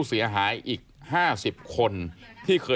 ร้อง